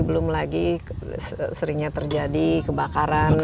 belum lagi seringnya terjadi kebakaran